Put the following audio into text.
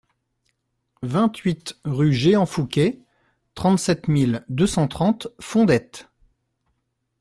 vingt-huit rue Jehan Fouquet, trente-sept mille deux cent trente Fondettes